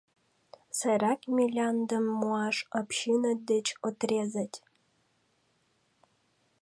— Сайрак миляндым муаш, община деч отрезать.